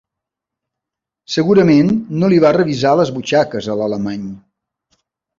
Segurament no li va revisar les butxaques a l'alemany.